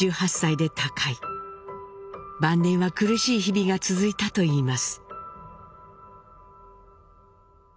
晩年は苦しい日々が続いたといいます。